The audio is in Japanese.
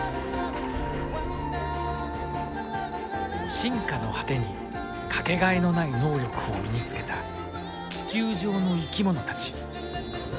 進化の果てに掛けがえのない能力を身につけた地球上の生き物たち